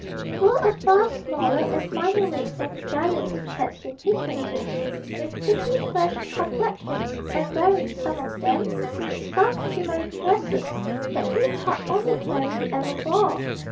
They were a far smaller and finer race than the giants he had seen hitherto, with pretty fresh complexions, and wearing, some of them, soft shimmering dresses that he thought only fairies ever wore.